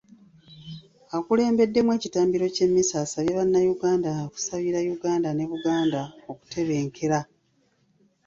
Akulembeddemu ekitambiro ky’emmisa asabye bannayuganda okusabira Uganda ne Buganda okutebenkera.